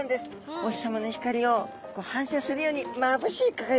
お日さまの光を反射するようにまぶしい輝きですね。